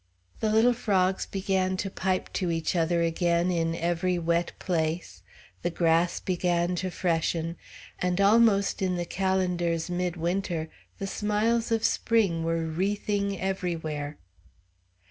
The little frogs began to pipe to each other again in every wet place, the grass began to freshen, and almost in the calendar's midwinter the smiles of spring were wreathing everywhere.